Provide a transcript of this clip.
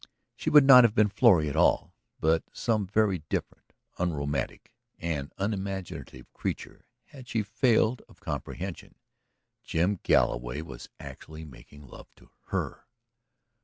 She would not have been Florrie at all, but some very different, unromantic, and unimaginative creature, had she failed of comprehension. Jim Galloway was actually making love to her!